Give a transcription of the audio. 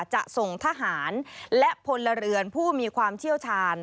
จะส่งทหารและพลเรือนผู้มีความเชี่ยวชาญ